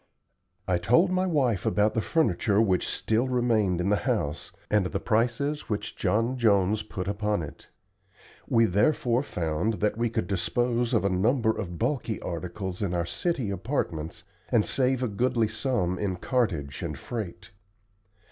I told my wife about the furniture which still remained in the house, and the prices which John Jones put upon it. We therefore found that we could dispose of a number of bulky articles in our city apartments, and save a goodly sum in cartage and freight.